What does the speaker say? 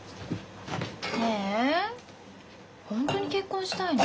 ねえホントに結婚したいの？